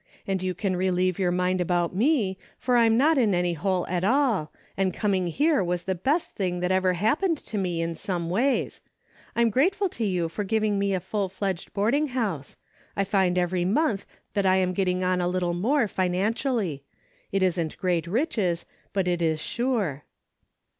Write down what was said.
And you can relieve your mind about me, for I'm not in any hole at all, and coming here was the best thing that ever happened to me in some ways. I'm grateful to you for giving me a full fledged boarding house. I find every month that I am getting on a little more financially. It isn't great riches, but it is sure."